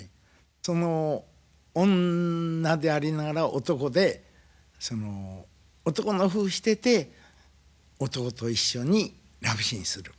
その女でありながら男でその男のふうしてて男と一緒にラブシーンする。